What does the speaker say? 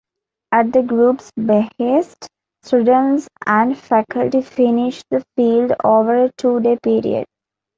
At the group's behest, students and faculty finished the field over a two-day period.